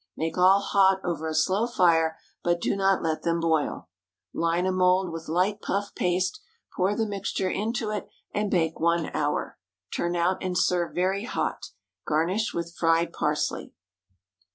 Make all hot over a slow fire, but do not let them boil. Line a mould with light puff paste, pour the mixture into it, and bake one hour; turn out and serve very hot. Garnish with fried parsley.